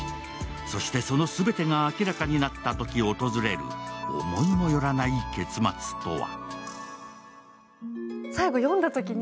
そして、その全てが明らかになったとき訪れる思いもよらない結末とは？